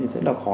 rất là khó